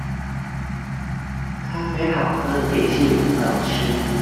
咖啡好喝，點心也很好吃